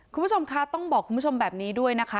คุณผู้ชมคะต้องบอกคุณผู้ชมแบบนี้ด้วยนะคะ